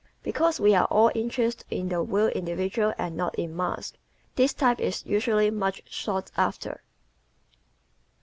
Because we are all interested in the real individual and not in masks this type usually is much sought after.